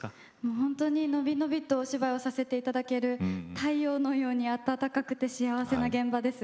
ほんとにのびのびとお芝居をさせて頂ける太陽のように温かくて幸せな現場です。